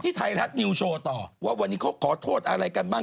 ไทยรัฐนิวโชว์ต่อว่าวันนี้เขาขอโทษอะไรกันบ้าง